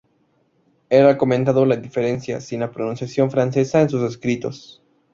Él ha comentado la diferencia, sin la pronunciación francesa, en sus escritos.